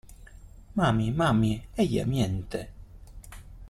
¡ Mami! ¡ mami !¡ ella miente !